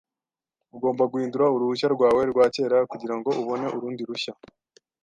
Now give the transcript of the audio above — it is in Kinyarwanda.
Ugomba guhindura uruhushya rwawe rwa kera kugirango ubone urundi rushya.